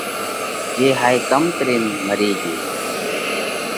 جي هائي منک ڪم مري ڳيو؟ ُ